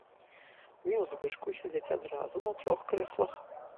Меў звычку сядзець адразу на трох крэслах.